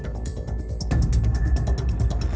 kelompok kelompok mana ini